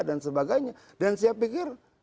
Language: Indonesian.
dan sebagainya dan saya pikir